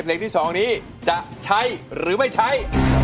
เพลงที่๒นี้จะใช้หรือไม่ใช้